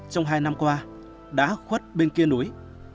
trong hai năm qua đã khuất bên kia núi